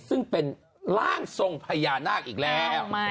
ซึ่งเป็นร่างทรงพญานาคอีกแล้ว